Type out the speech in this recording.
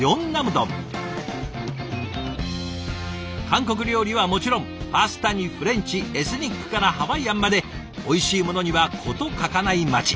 韓国料理はもちろんパスタにフレンチエスニックからハワイアンまでおいしいものには事欠かない街。